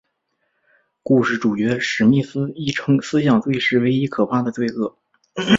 故事主角史密斯亦称思想罪是唯一可怕的罪恶。